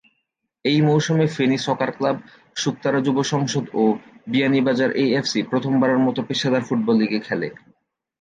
এই মৌসুমে Feni soccer club, Shuktara যুব সংসদ ও বিয়ানীবাজার এএফসি প্রথম বারের মত পেশাদার ফুটবল লীগে খেলে।